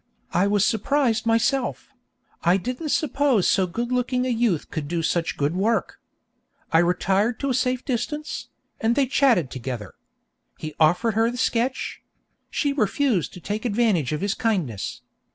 I was surprised myself; I didn't suppose so good looking a youth could do such good work. I retired to a safe distance, and they chatted together. He offered her the sketch; she refused to take advantage of his kindness.